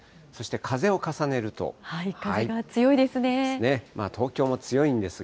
風が強いですね。